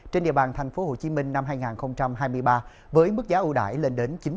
trên địa bàn thành phố hồ chí minh năm hai nghìn hai mươi ba với mức giá ưu đại lên đến chín mươi